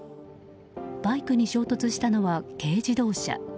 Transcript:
バイクに衝突したのは軽自動車。